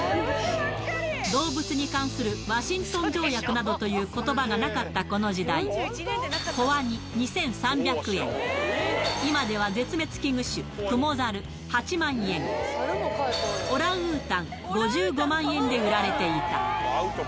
動物に関するワシントン条約などということばがなかったこの時代、子ワニ２３００円、今では絶滅危惧種、クモザル８万円、オランウータン５５万円で売られていた。